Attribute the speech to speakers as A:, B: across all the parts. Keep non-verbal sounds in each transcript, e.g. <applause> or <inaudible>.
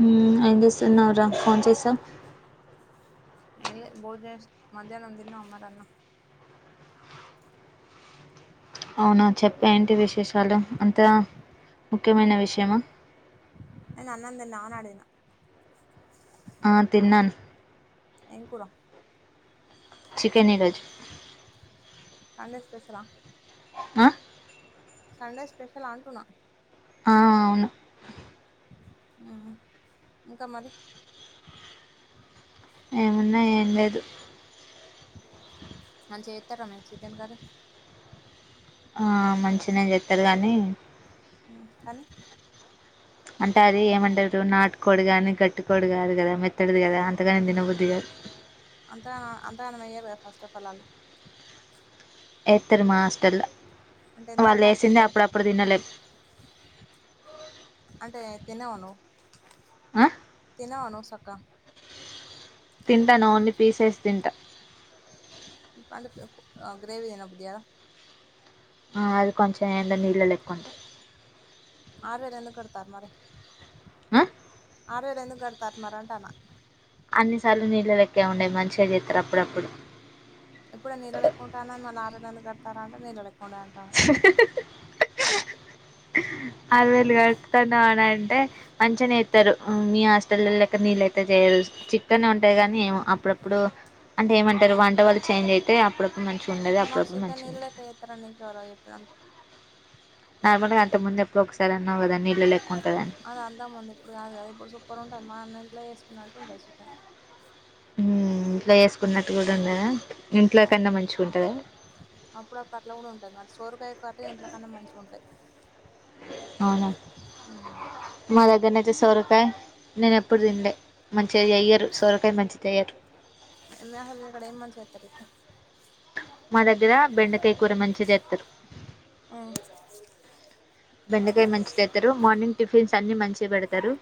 A: మ్మ్ ఎంచేస్తున్నావ్ రా ఫోన్ చేసావ్
B: ఎమ్లే బూ చేస్ మధ్యానం తిన్నావా మరి అన్నం
A: అవునా చెప్ ఏంటి విశేషాలు అంతేనా ముఖ్యమైన విషయమా
B: నేను అన్నం తిన్నావా అని అడిగినా
A: ఆ తిన్నాన్
B: ఏం కూర
A: చికెన్ ఇరోజు
B: సండే స్పెషలా
A: ఆ
B: సండే స్పెషల్ అంటున్నా
A: ఆ అవును
B: మ్మ్ హ్మ్ ఇంకా మరి
A: ఏమున్నాయ్ ఏం లేదు
B: అని చేత్తారా మే చికెన్ కర్రీ
A: ఆ మంచిదని చెప్పారు కానీ
B: మ్మ్ కానీ
A: అంటే అది ఏమంటారు నాటుకోడి గాని గట్టికోడి కాదు కదా మెత్తడిది కదా అంతగాను తినబుద్ధిగాదు
B: అంతా అంతగానమెయ్యరు కదా ఫస్ట్ ఆఫ్ ఆల్ ఆళ్ళు
A: ఎత్తరు మా ఆస్టల్లో
B: అంటే ఎంత
A: వాళ్ళు
B: అంటే అంత
A: వేసింది
B: ఎత్తారు
A: అప్పుడప్పుడు తినేల్లేదు
B: అంటే తినవ నువు
A: ఆ?
B: తినవ నువు సక్కగా
A: తింటాను ఓన్లీ పీసేస్ తింటా
B: పండ్ ఉక్ గ్రేవీ అయినా బుద్ జేయాల
A: అది కొంచెం ఏంటో నీళ్ళలేక్కుంటది
B: ఆరువేలు ఎందుకు కడతారు మరి
A: ఆ
B: ఆరువేలు ఎందుకు కడతారు మీరు అంటాన్నా
A: అన్ని సార్లు నీళ్ళలెక్కే ఉండదు మంచిగా చేత్తారు అప్పుడప్పుడు
B: ఇప్పుడే నీళ్ళలేక్కుంటా అన్నది మళ్ళా ఆరువేలు ఎందుకు కడతార అంటే నీళ్ళలెక్కా ఉండదు అంటాంది
A: ఆరువేలు కడతాన్నానంటే మంచిగనే ఇత్తారు మీ హాస్టల్లోలెక్క మీ లెక్క చేయ చికెన్ ఉంటాయి గానీ అప్పుడప్పుడు అంటే ఏమంటారు వంట వాళ్ళు చేంజ్ అయితే అప్పుడు
B: మాకు షికెన్ నీళ్ల లెక్క ఎత్తరు అని నీకెవరో చెప్పినం
A: నార్మల్గా అంత ముందు ఎప్పుడు ఒకసారి అన్నావు కద
B: అద అంతాక ముందు ఇప్పుడు కాదు కద ఇప్పుడు సూపర్ ఉంటది మా అన్న అప్లై ఎసుకున్నట్టు ఉంటయి చికెన్
A: ఉ ఇంట్లో చేసుకున్నట్టు కూడా ఉండదా ఇంట్లో కన్నా మంచిగా ఉంటదా
B: అప్పుడు అప్పుడు అట్లా కూడా ఉంటది మరి సోరకాయ కాటి ఇంట్ల కన్నా మంచిగా ఉంటయ్
A: అవున నా దగ్గరనైతే సొర కాయ్ నేను ఎప్పుడు తిినలే మంచిగా ఎయ్యరు సోరకాయ మంచి చేయ్యరు
B: ఎన్న హల్మిడ అక్కడ ఏం మంచిగా ఎప్పు
A: మా దగ్గర బెండకాయ కూర మంచి చెత్తారు బెండకాయ మంచిగ చెతరు మార్నింగ్ టిఫిన్స్ అన్ని మంచిగ పెడతారు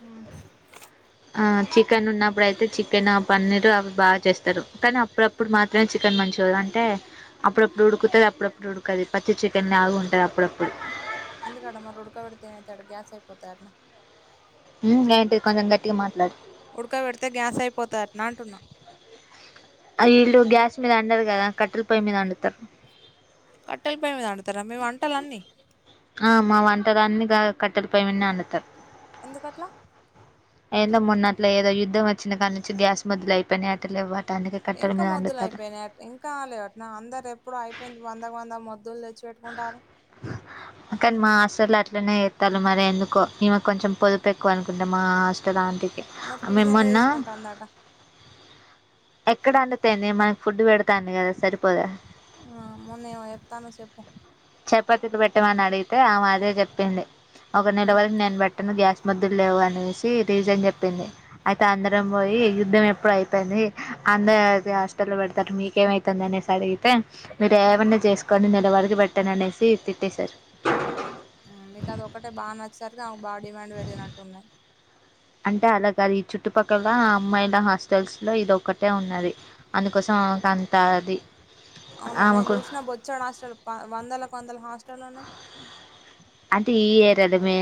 B: ఆ
A: ఆ చికెన్ ఉన్నప్పుడు అయితే చికెన్ పన్నీర్ అవి బాగా చేస్తారు కానీ అప్పుడప్పుడు మాత్రమే చికెన్ మంచి అంటే అప్పుడప్పుడు ఉడుకుతది అప్పుడప్పుడు ఉడుకది పచ్చి చికెన్ లా గుంట అప్పుడప్పుడు
B: ఎందుకడ మరి ఉడకబెడితే ఏమవుతాడ గ్యాస్ అయిపోతాడంటనా
A: ఉమ్ ఏంటి కొంచెం గట్టిగా మాట్లాడు
B: ఉడకబెడితే గ్యాస్ అయిపోతా అట్న అంటున్నా
A: ఈల్ళు గ్యాస్ మీద అండరు కదా కట్టెల పొయ్యే మీద అండుతారు
B: కట్టెల పోయ మీద అండుతారా మీ వంటలన్నీ
A: ఆ మా వంటలన్ని గా కట్టెల పొయి మీదనే అండుతారు
B: ఎందుకట్ల
A: ఏందో మొన్న అట్ల ఏదో యుద్ధం వచ్చిన కా నుంచి గ్యాస్ మొదలు అయిపోయి అంట లెవ్వం
B: ఇంకా మొద్దులు అయిపోయినాయి ఇంకాలె అట్న అందరు ఎప్పుడు అయిపోయింది వందకు వంద మొద్దులు తె
A: కానీ మా హాస్టల్లో అట్లనే తాలు మరేందుకో ఈమె కొంచెం పొదుపు ఎక్కువ అనుకుంటా మా హోటల్ ఆం టికి
B: మరి ఫీజు
A: మేం
B: ఎందుకు
A: మొన్న
B: తీసుకుంటాందట
A: ఎక్కడ అండుతేంది మనకి ఫుడ్ పెడత్
B: ఆ మొన్న చెప్తానవ్ చెప్పు
A: చెపాతిలు పెట్టమని అడిగితే ఆమదే చెప్పింది ఒక నెల వరకు నేను బెట్టను గ్యాస్ ముద్దులు లేవు అనేసి రీజన్ చెప్పింది అయితే అందరం పోయి యుద్ధం ఎప్పుడయితుంది అందే అది హాస్టల్లో పెడతారు మీకేమయితుంది అనేసి అడిగితే మీరు ఏమన్నా చేసుకొని నేను ఎవరికి బెట్టను అనేసి తిట్టేశారు
B: ఆమెకి బా డిమాండ్ పెరిగినట్టు ఉన్నయ్
A: అంటే అలా గాదు ఈ చుట్టుపక్కల అమ్మాయిల హాస్టల్స్ లో ఇదొకటే ఉన్నది అందు కొసం కంత అది
B: అవునా నేను
A: ఆమెకు
B: చూసిన బొచ్చాడు హాస్టల్ వందలకు వందల హాస్టల్ ఉన్నాయ్
A: అంటే ఈ ఇయర్ అంటె మే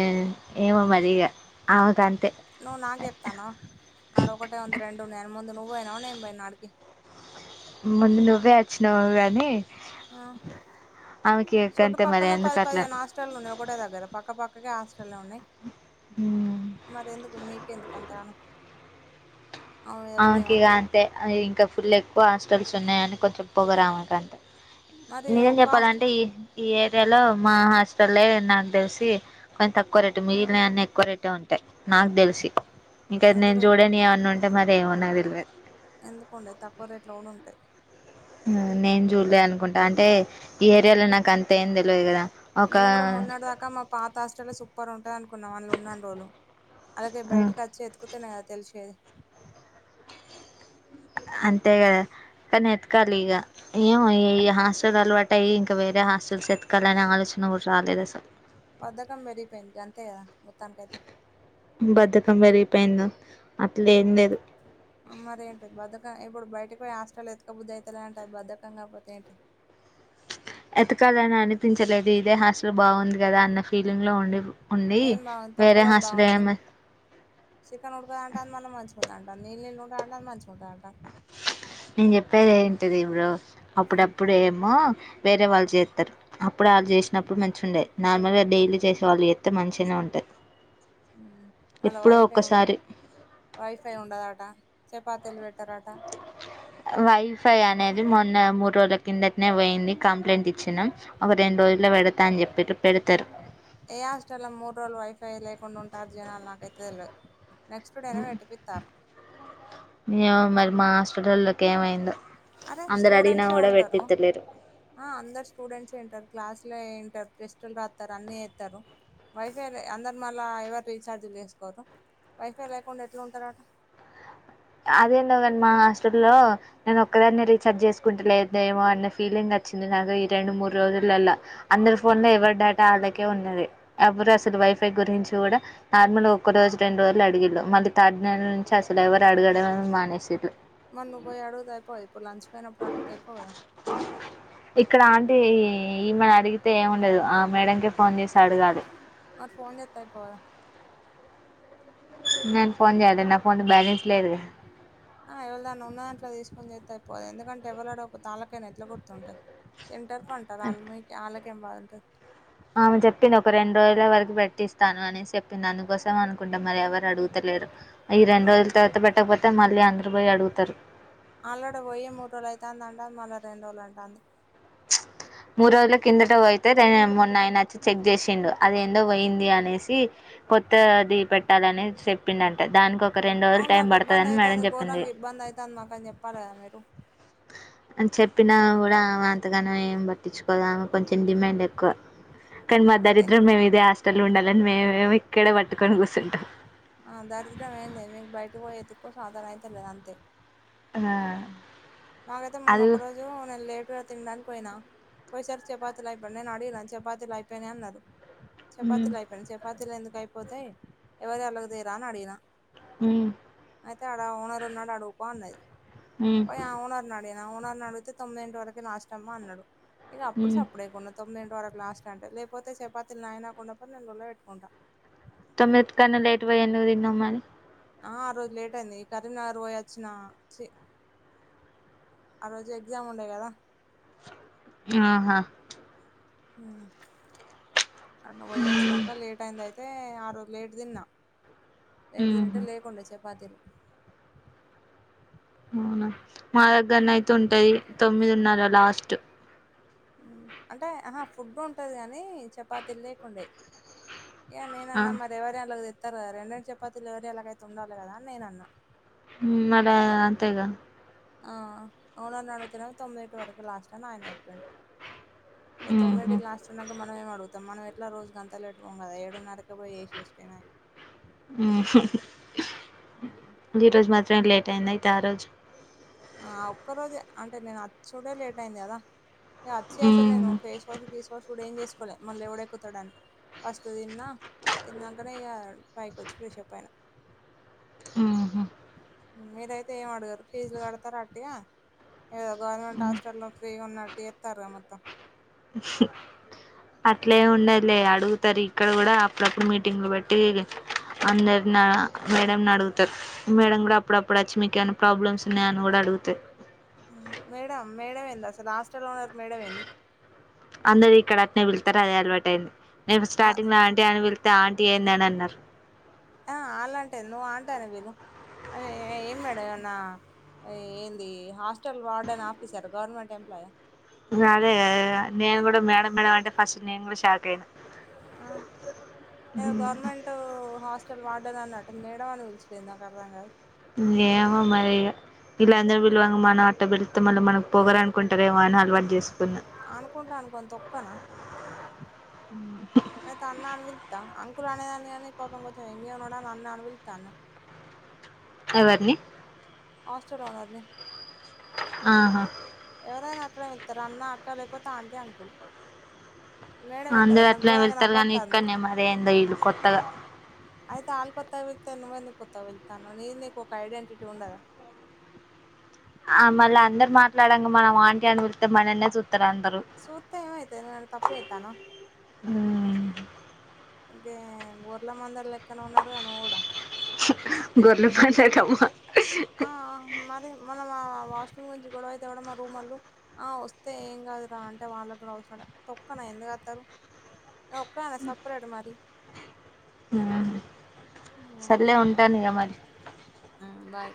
A: ఏమో మరిగ ఆమెకంతే
B: నువ్ నాకేప్తానా ఆడ ఒకటే ఉంది రెండు ఉన్నయ్ అని ముందు నువ్ పోయినావ నే పోయిన్నాడికి
A: ముందు నువ్వే అచ్చినవు గానీ
B: ఆ చుడ్డు
A: గంతే మరి
B: పక్కనే పది
A: ఎందుకు అట్లా
B: పదిహేను హాస్టళ్లు ఉన్నాయ్ ఒకటే దగ్గర పక్కపక్కకే హాస్టల్ ఉన్నాయ్ మరి ఎందుకు మీకెందుకు అంతాను
A: ఆమెకి ఇగ అంటే ఇంకా ఫుల్ ఎక్కువ హాస్టల్స్ ఉన్నాయని కొంచెం పోగరు ఆమెకు అంతే
B: మరి
A: నిజం
B: ఒక్క హాస్టల్
A: చెప్పాలంటే ఈ ఈ ఏరియాలో మా హస్ ఇడ లే నాకు తెలిసి కొంచెం తక్కువ రేటు మిగిలినే అన్న ఎక్కువ రేటే ఉంటాయి నాకు తెలిసి ఇంకా నేను
B: ఎందుకు
A: చూడని ఏమన్నా ఉంటే మరి ఏమన్నదిల్
B: ఎందుకుండే తక్కువ రేట్లు కూడ ఉంటాయి
A: నేను చూడలే అనుకుంటా అంటే ఈ ఏరియాలో నాకు అంత ఏం తెలియదు కదా
B: మేము కూడా
A: ఒక
B: మొన్నడదాక మా పాత హాస్ట సూపర్ ఉంటుంది అనుకున్నాం వాళ్ళు ఉన్నాను రోజు అలాగే బయటకి వచ్చి ఎతుకుతునే కదా తెలిసేది
A: అంతే కదా కానీ ఎతకాలి ఇక ఏమో ఈ హాస్టల్ అలవాటు అయ్యి ఇంకా వేరే హాస్టల్స్ ఎతకాలిని ఆలోచన రు రాలేదు అసలు
B: బద్దకం పెరిగిపోయింది అంతే కదా మొత్తానికయితే
A: బద్దకం పెరిగిపోయింద అట్లే ఏం లేదు
B: మరి ఏంటి బద్దకం ఇప్పుడు బయటకి పోయి హాస్టల్ వెతుక బుద్ది అవుతలే అంటే అది బద్ధకం కాకపోతే ఏంటి
A: ఎతకాలని అనిపించలేదు ఇదే హాస్టల్ బాగుంది కదా అన్న ఫీలింగ్లో ఉండి ఉండి
B: ఏం బాగుంది
A: వేరే
B: తొక్కలో
A: హస్
B: బాగుంది చికెన్ ఉడకద అంట అది మన మంచిి ఉందా అంట నళ్ళ నళ్ుంటా అంట అ మింటుందంట
A: నేను చెప్పేది ఏంటిది బ్రో ఇప్పుడు అప్పుడప్పుడు ఏమో వేరే వాళ్ళు చేస్తారు అప్పుడు వాళ్ళు చేసినప్పుడు మంచి ఉండేయి నార్మల్ గా డైలీ చేసే వాళ్ళు చెస్తతే మంచిగా ఉంటయి
B: అలా వైఫై ఉ వైఫై ఉండదట చెప్ పాతెల్ పెట్టరంట
A: వైఫై అనేది మొన్న మూడు రోజుల కిందటనే పోయింది కంప్లైంట్ ఇచ్చినాం ఒక రెండు రు రోజుల పెడతా అని చెప్పిరు పెడతారు
B: ఏ హాస్టల్లో మూడు రోజులు వైఫై లేకుండ ఉంటారు జనాలు నాకైతే తెలిదు నెక్స్ట్ డేనే పెట్టిపితారు
A: ఏమో మరి మా హాస్టల్లటోల్లోకి ఏమైందో
B: అరే
A: అందరు అడిగినా
B: స్టూడెంట్సే
A: కూడా
B: ఉంటారు
A: పెట్టిత్తలేరు
B: ఆ అందరు స్టూడెంట్సే ఉంటారు క్లాస్ లో ప్రస్టలు రాస్తారు అన్ని వేస్తారు వైఫెలే అందరు మళ్ళా ఎవరు రీఛార్జీలు చేసుకోరు వైఫై లేకుండ ఎట్లా ఉంటారట
A: అదేందో గాని మా హాస్టల్ లో నేను ఒక్కదాని రీఛార్జ్ చేసుకుంట లేదేమో అన్న ఫీలింగ్ అ వచ్చింది నాకు ఈ రెండు మూడు రోజుల అందరు ఫోన్ లో ఎవరి డేటా ఆళ్కే ఉన్నది ఎవరు అసలు వైఫై గురించి కూడ నార్మల్గా ఒక్క రోజు రెండు రోజులు అడిగిళ్ మళ్ళ థర్డ్ డె నుంచి అసలు ఎవ ఇ అడగడమె మానేసిట్లు
B: మరి నువ్వు పోయి అడుగుతే అయిపోవు ఇప్పుడు లంచ్ పోయినప్పుడు అడుగుతే అయిపోవు కదా
A: ఇక్కడ అంటే ఈమని అడిగితే ఏమి ఉండదు ఆ మేడకే ఫోన్ చేసి అడగాలి
B: మరి ఫోన్. చేత్త పోల
A: నేను ఫోన్ చేయలే నా ఫోన్ బ్యాలెన్స్ లేదు
B: ఆ ఎవరి దైన్ని ఉన్న అట్ల తీసుకొని చేస్త అయిపోతుదు ఎందుకంటే ఎవరుడో ఒక ఆళ్ళకైనా ఎట్లా కుర్తుంటాయి తింటర్పు పంటారు వాళ్మ వాళ్ళకేం బాగు ఉంటది
A: ఆమె చెప్పింది ఒక రెండు రోజుల వరకు పెట్టిస్తాను అనేసి చెప్పింది దందుకోసం అనుకుంటాం మరి ఎవరు అడుగుతలేరు ఈ రెండు
B: మరి
A: రోజుల తర్వాత పెట్టకపోతే మళ్ళీ అందరుూ పోయి అడుగుతరు
B: అళ్లో పోయయి మూడు రోజులు అవుతుంది అంట మళ్ళీ రెండు రోజులు అంటాంది
A: మూడు రోజుల కిందట పోయితే మొన్న ఆయన వచ్చి చెక్ చేసిండు అదేందో పోయింది అనేసి కొత్త అది పెట్టాలని చెప్పింది అంట దానికి ఒక రెండు రోజులు
B: అవున్
A: టైం
B: మాకు
A: పడుతుందని
B: ఇబ్బందయితా
A: మేడం చెప్పింది
B: గోరంగ ఇబ్బంది అయితే మాకా చెప్పాల మరు
A: అని చెప్పినా కూడ ఆమె అంతగానం ఏం పట్టించుకోదామె కొంచెం డిమాండ్ ఎక్కువ కానీ మా
B: డే
A: దరిద్రం మేము ఇదే హాటల్ ఉండాలిని మేమేమీ
B: ఆ దరిద్రం ఏందే మీకు బయటపోయి ఎ తుకో శాతనయితలేదు అంతే
A: ఆ
B: నాకైతే మొన్న
A: అది
B: ఒక రోజు నేను లేట్గా తినడానికి పోయినా పోయిసారి చపాతీలు అయిపోయాయి నేను అడిగను చపాతీలు అయిపోయినాయి అన్నారు
A: మ్మ్
B: చపాతీలు అయిపోయినాయి చపా తీలు ఎందుకు అయిపోతాయి ఎవరి అలాగదేరా అని అడిగిన
A: మ్మ్
B: అయితే అడ ఓనరు ఉన్నాడు అడుగుపో అన్నది
A: ఉమ్మ్
B: పోయి ఆ ఓనర్ని అడిగిన ఓనర్ని అడిగితే తొమ్మిది ఇంటి వరకే లస్ట్ అమ్మ అన్నాడు ఇకప్పుడు
A: మ్మ్
B: సప్పుడు చేయకుం తొమ్మిదింటి వరకు లాస్ట్ అంటే లేకపోతే చపాతీలు నాయి నాకుండకపోతే నేను లొల్లే పెట్టుకుంటా
A: తోమ్మిది కన్న లేట్‌ పోయి ఎందుకు తిన్నావ్ మరి
B: ఆ ఆరోజు లేట్ అయింది ఈ కరీంనగర్ పోయి వచ్చిన చి ఆరోజు ఎగ్జామ్ ఉండే కదా
A: ఆహా
B: ఉమ్మ్ అడ్న పోయి వచ్చినంక లేట్ అయింది అయి తే ఆరోజు లేటు తిన్నా లేటు తింనింటే
A: మ్మ్
B: లేకుండే చపాతీలు
A: అవునా మా దగ్గరన అయితే ఉంటాయి తొమ్మిదిన్నారా లాస్ట్
B: ఉమ్మ్ అంటే ఆహా ఫుడ్ ఉంటది కానీ చపాతీలు లేకుండే ఇక
A: ఆ
B: నేనన్నా మరి ఎవరియి అలకు తిత్తారు కదా రెండ్రెండు చపాతీలు ఎవరియి అలాకైతే ఉండాలి కదా అని నేనన్నా
A: మరి అంతేగా
B: ఆ ఓనర్ని అడిగితేనేమో తొమ్మిదిటి వరకు లాస్ట్ అని ఆయన చెప్పిండు ఇగ
A: మ్మ్
B: తొమ్మిదింటికి లాస్ట్ అనంకా మనం ఏం అడుగుతాం మనం ఎట్లా రోజు గంతా లేట్ పోము కదా ఏడున్నరకే పోయి ఏసేస్తిన
A: ఈరోజు మాత్రమే లేట్ అయిందా అయితే ఆరోజు
B: ఆ ఒక్క రోజే అంటే నేను వచ్చుడే లేట్ అయింది కదా ఇగ అచ్చి అసలు
A: మ్మ్
B: నేను ఫేస్ వాష్ గిస్ వాష్ కూడా ఏం చేసు కోలే మళ్ళీ ఎవడెక్కుతాడాని ఫస్ట్ తిన్న తిన్నాకనే ఇగ పైకొచ్చి ఫ్రెష్అప్ అయిన
A: మ్మ్ఉహ్మ్
B: మీరైతే ఏం అడగరు ఫీజులు కడతారు అట్టిగ ఏదో గవర్నమెంట్ హాస్టల్లో ఫ్రీగా ఉన్న టితారే మొత్తం
A: అట్లే ఉండదులే అడుగుతారు ఇక్కడ కూడా అప్పుడప్పుడు మీటింగ్లు పెట్టి అందరినా మేడంని అడుగుతారు మేడం కూడా అప్పుడప్పుడు వచ్చి మీకు ఏమైనా ప్రాబ్లమ్స్ ఉన్నాయ అని కూడా అ అంతే
B: మేడం మేడమేంది అసలు హాస్టల్లో ఉండే
A: అందరు ఇక్కడ అట్నే పిలుస్తారు అదే అలవాటయింది నేను
B: ఆ
A: స్టార్టింగ్లో ఆంటీ అని పిలిస్తే ఆంటీ ఏంది అని అన్నారు
B: ఆ అలాంటే ఎంది నువ్వు ఆంటీ అనే పిలు అమే ఏం మేడం ఏమన్నా ఏంది hostel warden officer government employee
A: అదే కదా నేను కూడా మేడం మేడం అంటే ఫస్ట్ నేను కూడా షాక్ అయినా
B: ఆ ఏవో గవర్నమెంటు హాస్టెల్ వార్డె న్ అన్నట్టు మేడం అని పిలుచుడేంది నాకు అర్థం కాదు
A: ఏమో మరి ఇగ వీళ్ళందరూ పిలువముగా మనమట్ట పి తె మనం మన పొగరు అనుకుంటదేమో అని అలవాటు చేసుకున్నా
B: అనుకుంటే అనుకోని తొక్కనా నే ఐత అన్నా అన్ విలత్తా అన్ కుల్ అనేదాన్ని గాని పాపం కొంచె యెంగే ఉన్నడని అన్న అను విలుత్తాన్న
A: ఎవర్ని
B: హాస్టల్ ఓనర్ ని
A: ఆహా
B: ఎవరైనా అట్లే విలుత్తరు అన్న అక్క లేపోతే ఆంటీ అంకుల్ మేడం ఏంది
A: అందురు
B: అసలు నాకు
A: అట్లనే
B: ఘోరంగా
A: విలుత్తర్ గానీ
B: నవ్వొత్తాంది
A: ఇక్కడ్నే మరి ఏందో ఈల్లు కొత్తగ
B: అయితే ఆళ్ కొత్తగ విళ్తే నువ్వేందుక్ కొత్తగ విళుత్తాన్నవ్ నీది నీకు ఒక ఐడెంటిటి ఉండదా
A: ఆ మళ్ళ అందరు మాట్లాడంగ మనం ఆంటీ అని విళుత్తే మనల్నే చూ
B: సూత్తే ఏమైతది ను <unintelligible> తప్పే ఏత్తానవ
A: హూమ్
B: గే గొర్ల మందర్ లె
A: హు గొర్ల పందేటమ్మ
B: ఆ మరి మనం ఆ వాష్ చూయించు గొడవైతే ఉడా మా రూమోల్లు, ఆ వస్తే ఏం గాదురా అంటే వాళ్ళ గూడా ఒస్సలే తొక్కనా ఎందు. అత్తరు ఏ ఒక్కదానే సప్రేట్ మరి
A: ఊహు సర్లే ఉంటాను ఇగ మలి
B: ఊ బాయ్